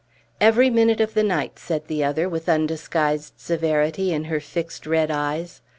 "Every minute of the night," said the other, with undisguised severity in her fixed red eyes.